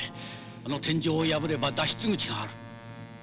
あの天井を破れば脱出口がある。